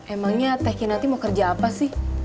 emangnya teki nanti mau kerja apa sih